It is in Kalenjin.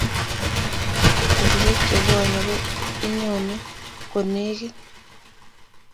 Petushek che buani Ko inyoni ko negit